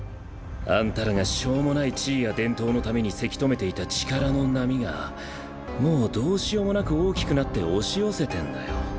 あんたらがしょうもない地位や伝統のためにせき止めていた力の波がもうどうしようもなく大きくなって押し寄せてんだよ。